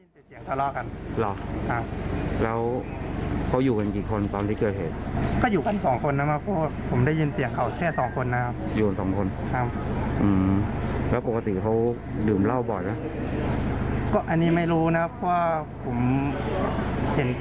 เพราะว่าผมเห็นแจกเขาทะเลาะกันอย่างเงี้ยอ๋อบ่อยมากบ่อยมากเลยอ๋อ